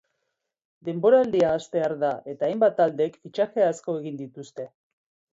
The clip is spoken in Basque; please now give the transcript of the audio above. Denboraldia hastear da eta hainbat taldek fitxaje asko egin dituzte.